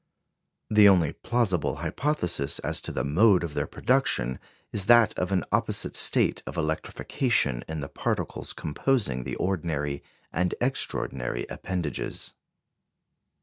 The only plausible hypothesis as to the mode of their production is that of an opposite state of electrification in the particles composing the ordinary and extraordinary appendages.